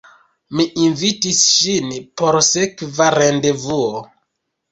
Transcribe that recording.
Mi invitis ŝin por sekva rendevuo.